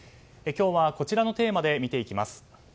今日はこちらのテーマで見ていきます。